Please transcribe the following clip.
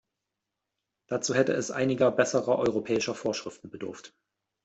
Dazu hätte es einiger besserer europäischer Vorschriften bedurft.